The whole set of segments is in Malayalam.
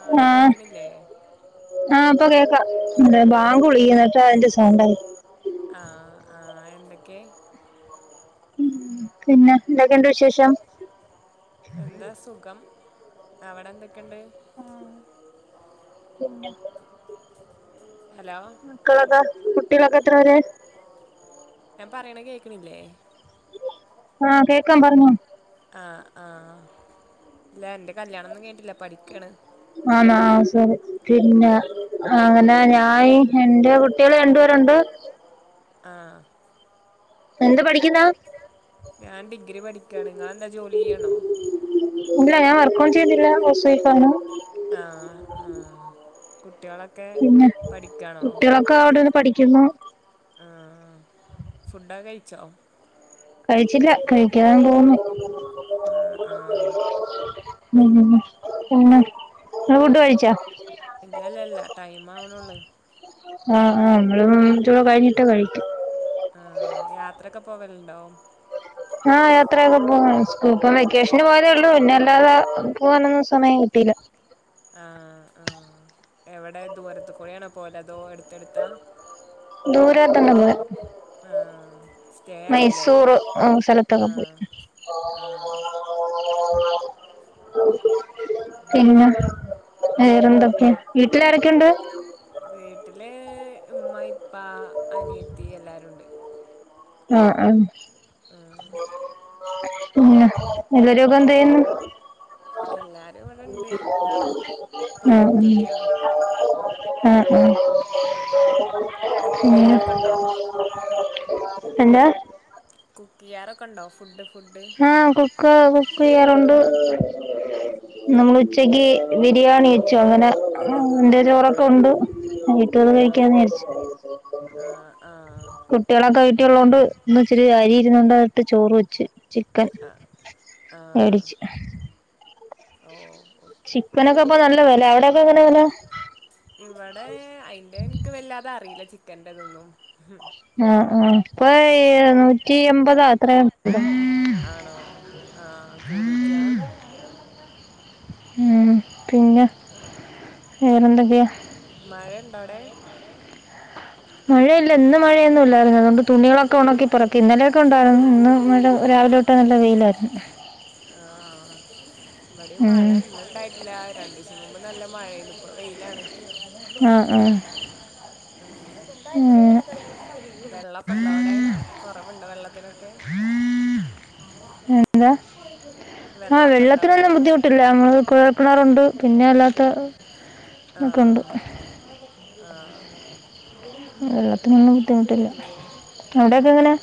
ആ കേക്കണില്ലേ ആ ഇപ്പൊ കേക്കാ എ ബാങ്ക് വിളിക്കുന്നട്ടോ അതിന്റെ സൗണ്ട് ആ ആ എന്തൊക്കെ ഉം പിന്നെ എ എന്താ സുഖം അവിടെ എന്തൊക്കെയുണ്ട് പിന്ന ഹലോ മക്കളൊക്ക കുട്ടികളൊക്കെ എത്ര പേര് ഞാൻ പറയണ കേക്കണില്ലേ ആ കേക്കാം പറഞ്ഞോ ആ ആ ഇല്ല എന്റെ കല്യാണൊന്നും കഴിഞ്ഞിട്ടില്ല പഠിക്കയാണ് ആണോ സോറി പിന്നെ അങ്ങനെ ഞാൻ എന്റെ കുട്ടികൾ രണ്ടുപേരുണ്ട് ആ എന്ത് പഠിക്കുന്നാ ഞാൻ ഡിഗ്രി പഠിക്കാണ് ങ്ങള് എന്താ ജോലിയ്യാണോ ഇല്ല ഞാൻ വർക്കോന്നും ചെയ്യ്ന്നില്ല ഹൗസ് വൈഫാണ് ആ ആ പിന്നെ കുട്ടിആളൊക്കെ അവിടെര്ന്ന് പഠിക്കുന്നു അ ആ ഫുഡോക്കെ കഴിച്ചോ കഴിച്ചില്ല കഴിക്കാൻ പോവുന്നു ആഹ് ആഹ് ഉം പിന്നെ ഇങ്ങള് ഫുഡ് കഴിച്ചാ ഇല്ലല്ലല്ല ടൈംമ് ആവ്ണോള്ളെ ആ ആ [unintelligible] കഴിഞ്ട്ട് കഴിക്കും ആ യാത്രൊക്കെ പോവൽണ്ടോ ആ യാത്രയൊക്കെ പോവും സ്കൂ [unintelligible] വെക്കേഷന് പോയതെ ഒള്ളൂ പിന്നെ അല്ലാതെ പോകാനൊന്നും സമയം കിട്ടീല ആ ആ എവിടെ ദൂരത്ത് കൂടെ ആണോ പോല് അതോ എട്ത്താ എട്ത്താ ദൂരോട്ടെങ്ങും പോ ആ മൈസൂറ് സ്ഥലത്തൊക്കെ പോയി ആഹ് ആഹ് പിന്നെ വേറെന്തൊക്കെ വീട്ടില് ആരൊക്കെയുണ്ട് മൈ പാ, അനിയത്തി, എല്ലാരും ഉണ്ട് ങ ആ [unintelligible] ഉ [inaudible] എല്ല് രോഗം എന്തായന്ന്? [unintelligible] എല്ലാരും ഇവിടെണ്ട് ങ മ് പഠിക്കൊക്കെയാണ് കുക്ക് ഉം ഉം. ചെയ്യാറൊക്കെ ഉണ്ടോ [unintelligible] എന്താ? കുക്ക് ചെയ്യാറൊക്കൊഒണ്ടോ? ഫുഡ് ഫുഡ് ആ കു ക്ക് കുക്ക് ചെയ്യാറുണ്ട് നമ്മൾ ഉച്ചക്ക് ബിരിയാണി വെച്ചു അങ്ങനെ ഉണ്ട് ചോറൊക്കെ ആഹ് ഉണ്ട്, വീട്ടി വന്നു കഴിക്കാന്ന് ആഹ് വിചാരിച്ചു, ആഹ് ആഹ് കുട്ടികളൊക്കെ വീട്ടിലൊള്ളോണ്ട് ഇന്ന് ഇച്ചിരി അരി ഇരുന്നുണ്ടാ ഇട്ട് ചോറ് വച്ച്. [unintelligible] ക്കൻ ആഹ് മേടിച്ച്. ഓ ചിക്കനൊക്കെ ഇപ്പൊ [unintelligible] എങ്ങനെ പോന്ന് എന്ത? ഇവിടെ അയിന്റെ എനിക്ക് വല്ലാതെ അറിയില്ല ചി ക്കന്റതൊന്നും ആ ആ ഇപ്പൊ ഏ നൂറ്റി എമ്പതാ അത്ര [unintelligible] ആണോ ആ കൂടീക്ക ഉം പിന്നെ വേറെ എന്തൊക്കെയാ? മഴ ഉണ്ടോ അവിടെ? മഴയില്ല ഇന്ന് മഴയൊന്നും ഇല്ലായിരുന്നു അതുകൊണ്ട് തുണികളൊക്കെ ഉണക്കി പറുക്കി ഇന്നലെയൊക്കെ ഉണ്ടായിരുന്നു ഇന്ന് മഴ രാവിലെ തൊട്ടേ നല്ല വെയിലായിരുന്നു. ആ ഇവിടെയും മഴ ഉം ഇന്നു ഉണ്ടായിട്ടില്ല രണ്ട് ദിവസം മുമ്പ് നല്ല മഴയാന്ന് ഇപ്പൊ വെയിലാണ്. ആ ആ ഉം വെള്ളമൊക്കെ ഉണ്ടോ അവിടെ കുറവുണ്ടോ വെള്ളത്തിനൊക്കെ എന്താ ആ വെള്ളമൊക്കെ ഉണ്ടോ വെള്ളത്തിനൊന്നും വെള്ളം ബുദ്ധിമുട്ടില്ല നമ്മക്ക് കുഴൽകിണറുണ്ട് പിന്നെ അല്ലാത്ത ആ ഒക്കെ ഉണ്ട് ആ വെള്ളത്തിനെന്നും ബുദ്ധിമുട്ടില്ല. ആ അവിടെയൊക്കെ എങ്ങനെ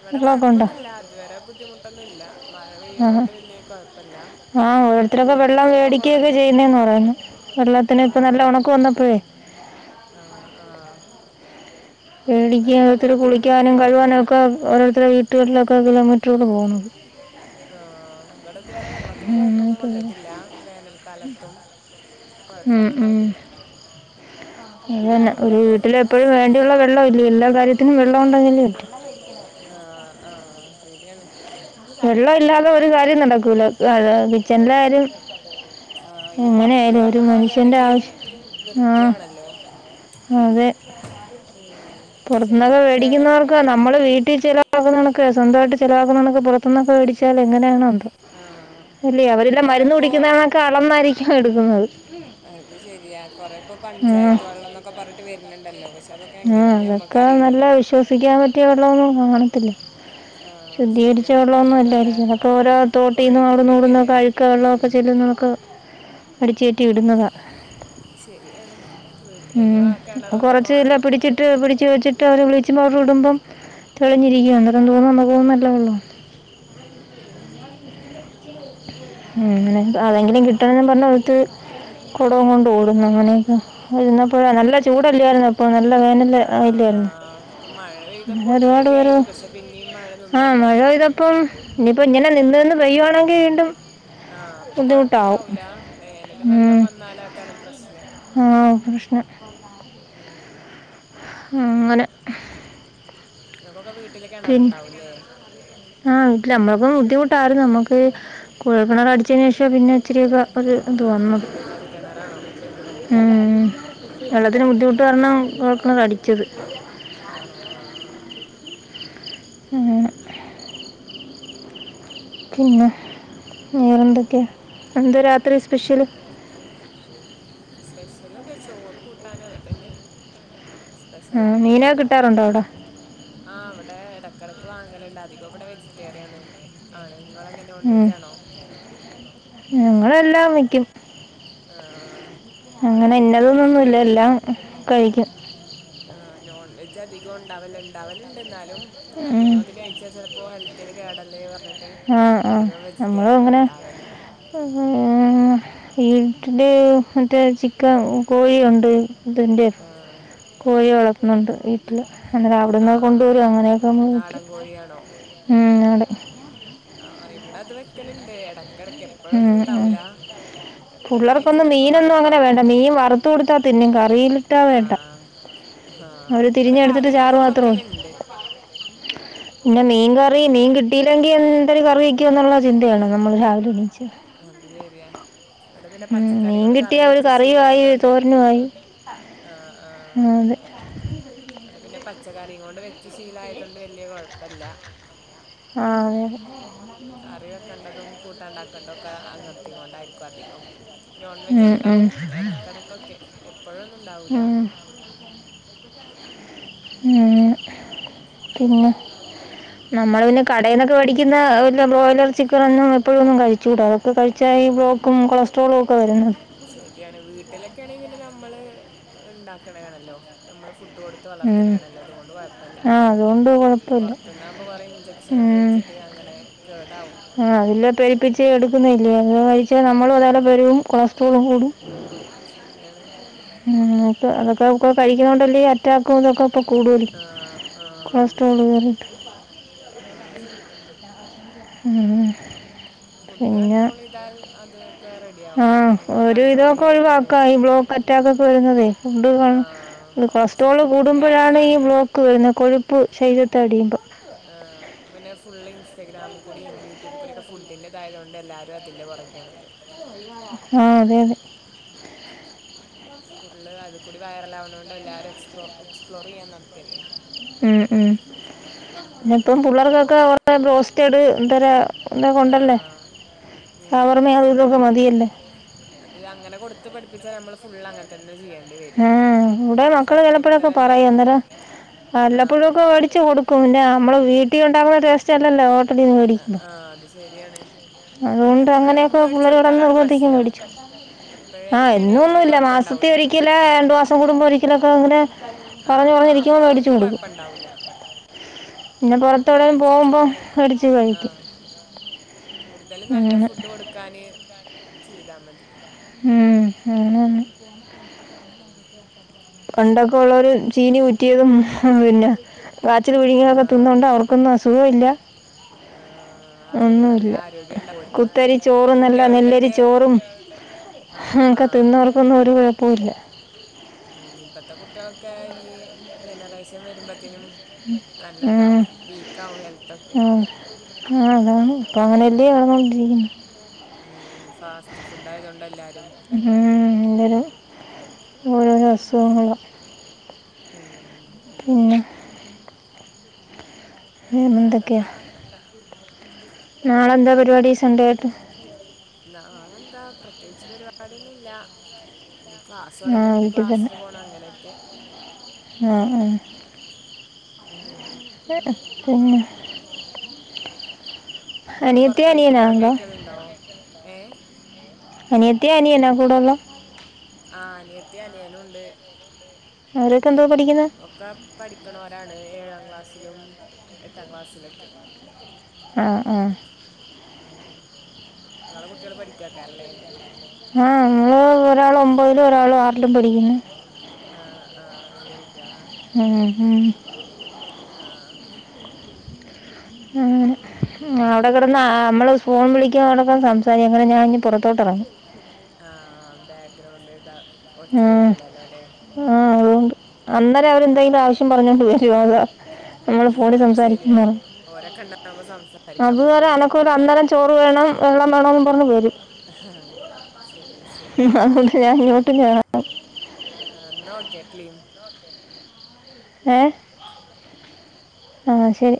ഇവിടെ വെള്ളമൊക്കെ ഉണ്ടോ കൊഴപ്പൊന്നുമല്ല അതുവരെ ബുദ്ധിമുട്ടൊന്നുംല്ല മഴ ആ പെയ്യണോണ്ട് വലിയ കൊഴപ്പില്ല ആ മഴ ഓരോരുത്തരൊക്കെ ഇല്ലെങ്കിൽ വെള്ളം ചിലപ്പോ മേടിക്കുകയൊക്കെ കുറയും ചെയ്യുന്നതെന്ന് പറയുന്നു വെള്ളത്തിന് ആ ഇപ്പം നല്ല ഉണക്ക് വന്നപ്പോഴേ ആ ആ മേടിക്ക ഇവിടെ ഓരോത്തര് വെള്ളത്തിനൊന്നും കുളിക്കാനും വലിയ കഴുവാനും കുഴപ്പമില്ല ഒക്കെ ഓരോരുത്തരു വീട്ടുകളിലൊക്കെ [unintelligible] ട്ട് പോന്നു. ആ ഉം വേനൽക്കാലത്തും കുഴപ്പൊന്നും ഉം ഉണ്ടായിട്ടില്ല അതുതന്നെ. ആഹ് ഒരു വീട്ടില് എപ്പോഴും വേണ്ടിയുള്ള വെള്ളം അല്ല്യോ എല്ലാ കാര്യത്തിനും വെള്ളം ഉണ്ടെങ്ങില്ലെ ആ ആ ശരിയാണ് വെള്ളം ഇല്ലാതെ ഒരു കാര്യം നടക്കൂല. അതാത് കിച്ചനിലെ കാര്യം ആ ഇനി പുൊറത്തുന്ന് വെള്ളം മനുഷ്യന്റെ വാങ്ങയാണെങ്കിലും ആവശ്യം വൃത്തിയ ആ ആണല്ലോ ഉ പുറത്തന്നൊക്കെ മേടിക്കുന്നവർക്ക് നമ്മള് വീട്ടിൽ ചിലവാക്കുന്ന ഒ സ്വന്തമായിട്ട് ചിലവാക്കണൊക്കെ പുറത്തനിന്നക്കെേടിച്ചാൽ എങ്ങനെയണ ആഹ പിന്നെ കൊറെപ്പോൊ കുടിക്കുന്നതൊക്കെ അളന്നായിരിക്കും എടുക്കുന്നത് അത് ശരിയാ കൊറെപ്പോൊ പഞ്ചായത്ത് വെള്ളംന്നൊക്കെ പറഞ്ഞട്ട് വരുന്നുണ്ടല്ലോ പക്ഷെ അതൊക്കെ ഉ എങ്ങനെയെന്ന് അതൊക്കെ നല്ല നമ്മക്കറിയില്ലല്ലോ വിശ്വസിക്കാൻ പറ്റിയ വെള്ളം കാണിക്ക ആഹ് ശുദ്ധീകരിച്ച ശരിയാണ് പല വെള്ളമൊന്നും പല അല്ലായിും ചിലപ്പോ ഓരോ തോട്ടീന്ന്ും പുഴയിൽ അവിടുന്നടുന്ന കൂടിയൊക്കെയല്ലേ കഴുക്ക വെള്ളമൊക്കെ ഉം ചെല്ലുന്നക്ക് അടിച്ചേറ്റി ഇടതാണ് ശരിയാണ് വീട്ടിലന്നെ ഉം. കണറും ഇതൊക്കെ കുറച്ച് ഇല്ല വേണം പിടിച്ചിട്ട് പിടിച്ച് വച്ചി് അവര് വിളിച്ചുമ്പോ അവടെടുമ്പം തെളിഞ്ഞിരിക്കുവ അന്നേം തോന്നുന്നു നമു പോോന്നുന്ന അല്ലേള്ളോ ഉം ഉം അങ്ങനെ അതെങ്കിലും കിട്ടൂന്നും പറഞ്ഞ് അടുത്ത് കുടവുംകൊണ്ട് ഓടുന്നു അങ്ങനെയൊക്കെ ഇരുന്നപ്പോ നല്ല ചൂടല്ലായിുന്ന അപ്പോ നല്ല വേനല് ആ ആ ആയില്ലേര്ന്ന് ഇപ്പൊ മഴ പെയ്തപ്പോ ങ്ങനെ ഒന്ന് ഒരുപാട് പേര് റെഡിയായിരുന്നു പക്ഷെ പിന്നെയും മഴ ആ നിന്നല്ലോ മഴ പെയ്തപ്പം ഞ്ഞിപ്പം ഇങ്ങനെ നി ന്ന് പെയ്യാണെങ്കി വീണ്ടും ആശ് അപ്പൊ ബുദ്ധിമുട്ടാവും കൊഴപ്പണ്ടാവൂല വേനല് നല്ലോ ഉം. വന്നാലാക്കാരം പ്രശ്നം ആ പ്രശ്നം ഉം അങ്ങനെ ങ്ങക്കൊക്കെ വീ വീട്ടില് കെണറുണ്ടാവൂല്ലേ നമ്മളപ്പം ബുദ്ധിമുട്ടായിരുന്നു നമുക്ക് കുഴൽക്കിണറ് അടിച്ചതിന് ശേഷ പിന്നെ ഒത്തിരി ഒരു ഇത് ആ വന്നത് കുഴൽക്കിണറാണോ ആ ഉം വെള്ളത്തിന് ആ ബുദ്ധിമുട്ട് കാരണം കൊഴൽക്കിണറ് അടി ച്ചത് ആണോ ആഹ് ആ ഏ പിന്നെ വേരെ എന്തൊക്കെയ എന്താ രാത്രി സ്പെഷ്യൽ സ്പെഷ്യല് ചോറ് കൂട്ടാന് അതെന്നെ സ്പെഷ്യൽ മീനൊക്കെ ആയിട്ടൊന്നുമല്ല കിട്ടാറുണ്ടോ അവിടെ ആഹ് അവിടെ ഇടക്കട വാങ്ങലുണ്ട് അധികം ഇവിടെ വെജിറ്റേറിയൻ ആണ് നിങ്ങളങ്ങനെ നോൺ ഉം. വെജാണോ ല്ലാം വെക്കും ആ ഇവിടെ അങ്ങനെ അധികം ഇന്നതൊന്നുമില്ല വെജിറ്റേറിയന എല്ലാം കഴിക്കും ആോൺ വെ അധി കോണ്ടാവല്ണ് ണ്ടാവലുണ്ട് എന്നാലും അധികം ഉം. അത് കഴിച്ചാൽ ചിലപ്പോ ഹെൽത്ത് ത്തിന് കേടല്ലേവർ ആഹ് ആഹ് നമ്മള് ഇങ്ങനെ ഉണ്ടാവല് വീട്ടില് മറ്റേ ചിക്കൻ കോഴിയുണ്ട് ത് ൻ്റെ ആഹ് കോഴി വളർ ന്നുണ്ട് വീട്ടില് അന്നേരം അവിടെന്ന് ആഹ് കൊണ്ടുവരും അങ്ങനെയൊക്കെ നമ്മ നോക്കും നാടൻ കോഴിയാണോ ഉം ആ ആന് ഇവിടെ അത് വെക്കലുണ്ട് എട ഉം ഉം എപ്പോഴും കഴിച്ചാൽ പിള്ളർക്കൊന്നും ചിലപ്പോ മീനൊന്നും അങ്ങനെ മടുപ്പാവും വേണ്ട മീൻ വറുത്തു കൊടുത്താ തിന്നും കറിയിലിട്ടാ വേണ്ട ആഹ് ആഹ് അവര് ഇവിടെ തിരഞ്ഞടുത്തിട്ട് കറി ചാറ് ഇതും മാത്രോ വെക്കലുണ്ട് പിന്നെ മീൻ കറി മീൻ കിട്ടിയില്ലെങ്കി എന്തോലും കറി വെക്കുവ എന്നുള്ള ചിന്തയാണ് നമ്മള് രാവിലെ അത് ശരിയാ വിടെ പിന്നെ ഉം, പച്ചക്കറി മീൻ കൊണ്ട് കറി കിട്ടിയ ഒരു വെച്ച് കറിയുമായി ശീലായതുകൊണ്ട് തോരനുമായി ആ ആ, അതെ ആവിടെ പിന്നെ പച്ചക്കറിംങ്ങോണ്ട് വെച്ച് ശീലായതോണ്ട് വല്ല്യ കൊഴപ്പല്ല ആ അതെ അതെ കറി വെക്കെണ്ടതും കൂട്ടാണ്ടാക്കൊണ്ടൊക്കെ അങ്ങത്തും കൊണ്ടായിരിക്കും അധികം നോൺ വെജും ഉം, ഉം. ഇണ്ടാവും എടക്കടക്കൊക്കെ എപ്പഴൊന്നും ഇണ്ടാവൂല ഉം, ഉം പിന്നെ നമ്മൾ പിന്നെ കടയിന്നൊക്കെ വെടിക്കുന്ന ബ്രോയിലർ ചിക്കനൊന്നും എപ്പഴൊന്നും കഴിച്ചുടാ കഴിച്ചാ ഈ ആഹ് ബ്ലോക്കും കൊളസ്ട്രോളും ഒക്കെ വരുന്നത് ശരിയാണ് വീട്ടിലൊക്കൊയാണെങ്കി പിന്നെ ഞമ്മൾ ഇണ്ടാക്ക്ണെ ആണല്ലോ നമ്മൾ ഫു ഫുഡ് കൊടുത്ത് ഉം. വളർത്ത്ണെയാണല്ലോ അതുകൊണ്ട് കൊഴപ്പല്ല ആ അതുകൊണ്ട് കുഴപ്പമില്ല പൊർത്ത്ന്നാമ്പും കൊറേ ഇഞ്ചക്ഷനൊക്കെ ഉം. വെച്ചിട്ട് അങ്ങനെ കേടാവും ആ അതില്ല പേരിപ്പിച്ച് എട്ക്കുന്നില്ലേ അത് കഴിച്ചാൽ ആഹ് നമ്മളും അത് പോലെ ആഹ് വെരും കൊളസ്ട്രോളും കൂടും ആ ശരിയാണ് ഉം ന്നട്ട് അതൊക്കെ കഴിക്കുന്നോണ്ടല്ലെ ഈ അറ്റ ആ ആ കൊളസ്ട്രോൾ കയറിയിട്ട് ആ ശരിയാണ് ഉം ഫുഡ് പിന്നെ കണ്ട്രോൾ ചെയ്താൽ അത് ക്കെ ആ ഒര് വിധൊക്കെ ഒഴിവാക്കാം ഈ ബ്ലോക്ക് അറ്റാക്ക് ഒക്കെ വരുന്നതേ ഫുഡ് കൺ ആ പക്ഷെ കൊളസ്ട്രോള് ഫുഡിൻ്റെ കൂടുമ്പോഴാണ് ഈ കാര്യത്തിലാണ് ബ്ലോക്ക് വരുന്നെ കൊഴുപ്പ് ശെരീരം തടിയുമ്പോ ഇൻസ്റ്റഗ്രാം കൂടിം യൂട്യൂബ് കൂടിയൊക്ക ഫുഡിൻന്റെ ഇതായതോണ്ട് എല്ലാരും അതിന്റെ പൊറകെയാണല്ലോ ആ അതെ അതെ സ്കൂൾ ൽ അത് കൂടി വൈറൽ ആവ്ണോണ്ട് എല്ലാരും എക്സ്പ്ലോ എക്സ്പ്ലോർ ചെയ്യാൻ നട്ക്കല്ലേ ഉം ഉം പിന്നെ ഉം. ഇപ്പം പുള്ളേർക്കൊക്കെ അവര്ടെ ബ്രാസ്റ്റഡ് എന്തരാ ആ ഉം ഷവർമ അതും ഇതൊക്കെ ഫുള്ള് മതിയല്ലേ അത് അങ്ങനെ കൊടുത്ത് പഠിപ്പി [unintelligible] നമ്മള് ഫുള്ള് അങ്ങനെതന്ന ചെയ്യ ഉം വ്ടെ മക്കള് ചെലപ്പോഴൊക്കെ തന്നെ പറയും അന്നേരം ആ വല്ലപ്പോഴൊക്കെ വേടിച്ച് കൊടുക്കും. പിന്ന നമ്മള് വീട്ട വീട്ടിണ്ടാവുന്ന ടേസ്റ്റല്ലല്ലോ. ആആഹ് അത് ശരിയാണ്. അതുകൊണ്ട് എപ്പഴും അങ്ങനെയൊക്കെ പിള്ളേര് കിടന്ന് വേടിച്ചെടുത്താലാണ് നിർബന്ധിക്കും പ്രശ്നം. മേടിച്ചു. എപ്പോഴേലൊക്കെ ആണെങ്കി വല്ല്യ കൊഴപ്പണ്ടാവൂല്ല. ആരണ്ടുവാസം കൂടമ്പോ ഒരിക്കലൊക്കെ അങ്ങനെ പറഞ്ഞു ആഹ് ആഹ് പറഞ്ഞിരിക്കുമ്പോൾ മേടിച്ചു അപ്പഴൊന്നും കൊടുക്കും. കൊഴപ്പുണ്ടാവൂല്ല. പിന്നെ പുറത്തെവിടെയും പോകുമ്പോൾ അതിനനുസരിച്ചിട്ട് മേടിച്ച് കഴിക്കും. ആഹ് കൂടുതലും നല്ല അങ്ങനെ. ഫുഡ് കൊടുക്കാന് ചെയ്താ മതി. ഉം [unintelligible] പണ്ടൊക്കെള്ളോര്ചീനി കുറ്റിയതും പിന്നെ കാച്ചിൽ ആ പിഴുങ്ങിയതൊക്കെ തിന്നോണ്ട് അവർക്കൊന്നും അസുഖോംല്ല. ആ ആരോഗ്യം നല്ല ഒന്നൂല്ല ആരോഗ്യം ഉണ്ടാവും ഓർക്കൊക്കെ കുത്തരി ഇപ്പത്തെ ചോറുംന്നല്ല നെല്ലരി കുട്ടികളുടെയൊക്കെ ചോറും ആ ആ ഒക്കെ തിന്നോർക്കൊന്നും ഒരു കുഴപ്പൊഇല്ല. ഉം ഇപ്പത്തെ കുട്ടികളൊക്കെ ഇനി ജനറേഷൻ വരുമ്പോ ത്തിനും ഉം. നല്ലതാവും. വീക്കാവും ഹെൽത്തൊക്കെ. ഉം. ആ അതാണിപ്പൊഅങ്ങനെല്ലേ നടന്നോണ്ടിരിക്കുന്ന. ഉം ഫാസ്റ്റ് ഫുഡ് ആയതോണ്ടല്ലാരും എല്ലാവരും ഓരോരോ അസുഖങ്ങള ഉം പിന്നെ. ഉംന്തക്കയാ. വേറെന്താ നാളെ എന്താ പരിപാടി സണ്ടേയായിട്ട്. നാളെന്താ പ്ര പ്രത്യേകിച്ച് പരിപാടിയൊന്നുല്ല. ഈ ക്ലാസ് ആ തുടങ്ങിയാ പിന്നെ വീട്ടിൽ തന്നെ ക്ലാസ്സിന് പോണം. അങ്ങനെയൊക്കെ ആ ആ ഉം പിന്നെ നിങ്ങളും അനിയത്തി പൊറത്തു പോയി ഫുഡൊക്കെ അനിയനാണല്ലോ കഴിക്കലുണ്ടോ? ഏ ഏ അനിയനകൂടെള്ളെ. ആഹ് അനിയത്തി അനിയനുണ്ട്. അവര് ഒക്കെ പഠിക്കണോരാണ് ഏഴാം ക്ലാസ്. ക്ലാസ്സിലും എട്ടാം ക്ലാസ്സിലൊക്കെ ആ ആ ങ്ങളെ കുട്ടികൾ പഠിക്കക്കാറല്ലേ ആഹ നമ്മള് ഒരാൾ ഒമ്പതിലും ഒരാൾ ആറിലും പഠിക്കുന്നു ആ ആ വല്ല്യ [unintelligible] ഹം ഹം ആ അങ്ങനെ അയുടെ കെടന്ന് ആ അമ്മൾ ഫോൺ വിളിക്ക്ണെ കാണുമ്പോ സംസാരിക്കും അങ്ങനെ ഞാൻ ഇഞ്ഞ് പൊറത്തോട്ടെറങ്ങി ആ ബാക്ഗ്രൗണ്ട് താ ഉം ആ അതുകൊണ്ട് അന്നേരം അവരെന്തെങ്കിലും ആവശ്യം പറഞ്ഞോണ്ട് വരും അതാ നമ്മൾ ഫോണീ അത് ശരിയാണ് സംസാരിക്കുന്നേരം ഓരൊക്കെ ഉണ്ടാകുമ്പോ സംസാരിക്കാൻ അതുവരെ ബുദ്ധിമുട്ട് അനക്കൊ തന്നെ ഇല്ല കാരം അന്നേരം ചോറ് വേണം വെള്ളം വേണോന്ന് പറഞ്ഞ് വരും ശരിയാ ശരിയാ [unintelligible] ആ ഉം. ആ ന്നാ ഓക്കെ ക്ലീൻ ഏ ആ ശരി